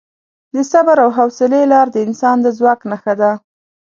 د صبر او حوصلې لار د انسان د ځواک نښه ده.